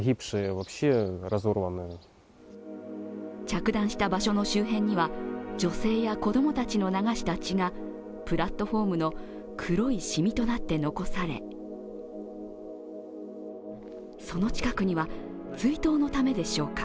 着弾した場所の周辺には、女性や子供たちの流した血がプラットホームの黒いしみとなって残されその近くには、追悼のためでしょうか、